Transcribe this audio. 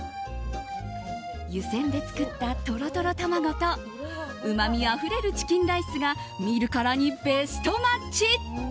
湯煎で作ったトロトロ卵とうまみあふれるチキンライスが見るからにベストマッチ！